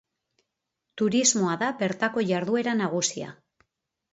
Turismoa da bertako jarduera nagusia.